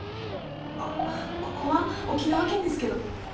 ここは沖縄県ですけど。